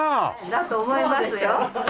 だと思います。